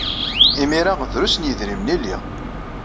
Imir-a, drus n yidrimen ay liɣ.